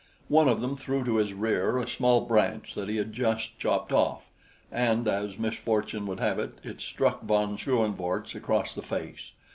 One of them threw to his rear a small branch that he had just chopped off, and as misfortune would have it, it struck von Schoenvorts across the face.